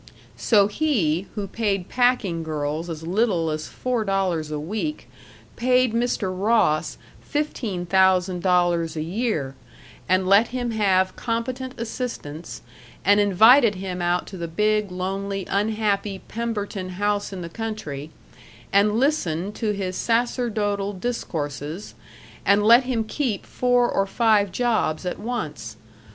So he, who paid packing girls as little as four dollars a week, paid Mr. Ross fifteen thousand dollars a year, and let him have competent assistants, and invited him out to the big, lonely, unhappy Pemberton house in the country, and listened to his sacerdotal discourses, and let him keep four or five jobs at once.